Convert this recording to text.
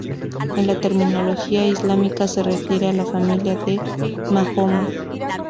En la terminología Islámica, se refiere a la familia de Mahoma.